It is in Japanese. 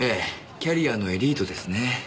キャリアのエリートですね。